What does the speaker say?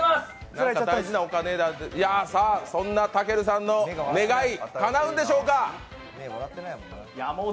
そんなたけるさんの願いかなうんでしょうか！